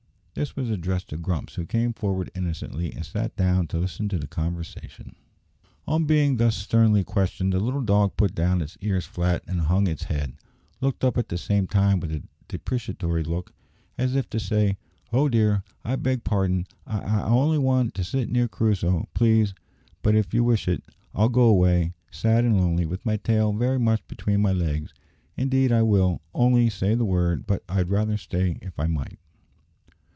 This was addressed to Grumps, who came forward innocently, and sat down to listen to the conversation. On being thus sternly questioned the little dog put down its ears flat, and hung its head, looking up at the same time with a deprecatory look, as if to say, "Oh dear, I beg pardon. I I only want to sit near Crusoe, please; but if you wish it, I'll go away, sad and lonely, with my tail very much between my legs; indeed I will, only say the word, but but I'd rather stay if I might."